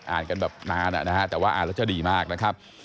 กันแบบนานนะฮะแต่ว่าอ่านแล้วจะดีมากนะครับ